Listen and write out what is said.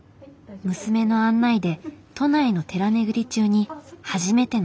娘の案内で都内の寺巡り中に初めての写経みたい。